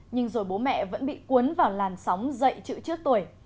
nhưng rồi bố mẹ vẫn bị cuốn vào làn sóng dạy chữ trước tuổi